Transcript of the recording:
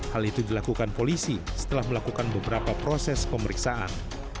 hal itu dilakukan polisi setelah melakukan beberapa proses pemeriksaan